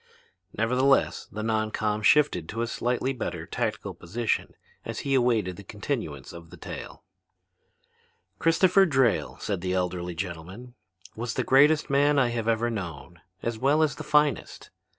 Nevertheless the non com shifted to a slightly better tactical position as he awaited the continuance of the tale. "Christopher Drayle," said the elderly gentleman, "was the greatest man I have ever known, as well as the finest.